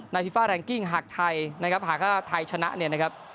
ฟีฟ่าแรงกิ้งหากไทยนะครับหากว่าไทยชนะเนี่ยนะครับ